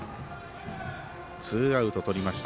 ツーアウトとりました